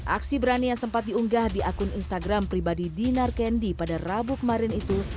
aksi berani yang sempat diunggah di akun instagram pribadi dinar kendi pada rabu kemarin itu